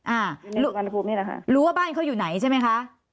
อ่ารู้ว่าบ้านเขาอยู่ไหนใช่ไหมคะ